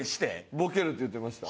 「ボケる」って言ってました。